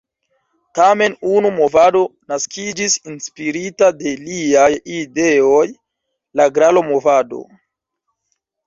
Tamen unu movado naskiĝis inspirita de liaj ideoj: la "Gralo-movado".